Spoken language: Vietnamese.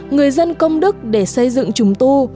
người dân công đức để xây dựng trùng tu